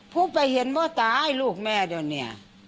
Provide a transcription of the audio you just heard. พูดไปเห็นว่าตายลูกแม่เดี๋ยวเนี่ย